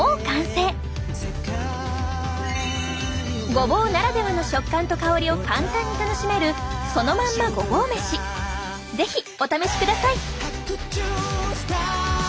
ごぼうならではの食感と香りを簡単に楽しめるそのまんまごぼう飯是非お試しください！